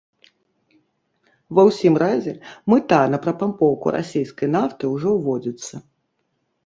Ва ўсім разе, мыта на прапампоўку расейскай нафты ўжо ўводзіцца.